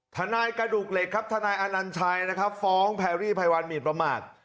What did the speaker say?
ทนายกระดูกเหล็กครับทนายอนัญชัยนะครับฟ้องแพรรี่ภัยวันหมินประมาท